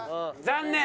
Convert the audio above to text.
残念！